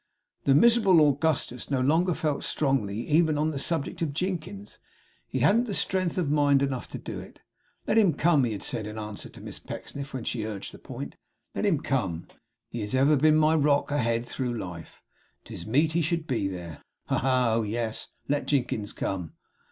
The miserable Augustus no longer felt strongly even on the subject of Jinkins. He hadn't strength of mind enough to do it. 'Let him come!' he had said, in answer to Miss Pecksniff, when she urged the point. 'Let him come! He has ever been my rock ahead through life. 'Tis meet he should be there. Ha, ha! Oh, yes! let Jinkins come!